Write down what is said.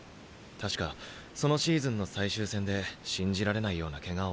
確かそのシーズンの最終戦で信じられないようなケガを負ったんだ。